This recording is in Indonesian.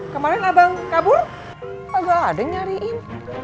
kemarin abang kabur kok gak ada nyariin